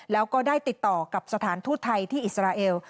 แล้วก็ได้ติดต่อกับสถานทูตไทยที่อิสราเอล